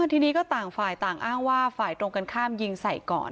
ทีนี้ก็ต่างฝ่ายต่างอ้างว่าฝ่ายตรงกันข้ามยิงใส่ก่อน